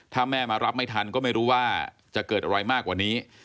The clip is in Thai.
ถ้าแม่มารับไม่ทันก็ไม่รู้ว่าจะเกิดอะไรมากกว่านี้